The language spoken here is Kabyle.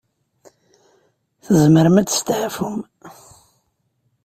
Tzemrem ad testeɛfum.